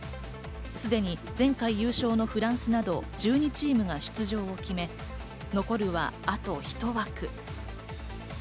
すでに前回優勝のフランスなど１２チームが出場を決め、残るはあと１枠。